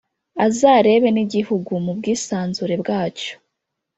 azarebe n’igihugu, mu bwisanzure bwacyo.